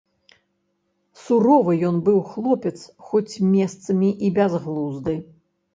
Суровы ён быў хлопец, хоць месцамі і бязглузды.